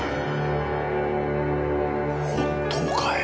本当かい！？